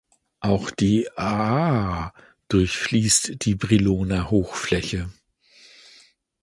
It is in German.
Auch die Aa durchfließt die Briloner Hochfläche.